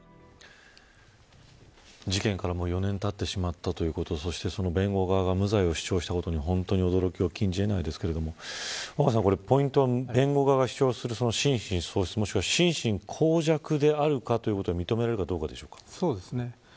事件から、もう４年たってしまったということそして、弁護側が無罪を主張したことの本当に驚きを禁じえないですが若狭さん、ポイントは弁護側が主張する心神喪失か心神耗弱であるかをそうですね。